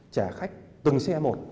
trả khách từng xe một